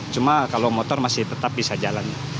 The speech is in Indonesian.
cuma kalau motor masih tetap bisa jalan